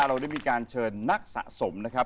เราได้มีการเชิญนักสะสมนะครับ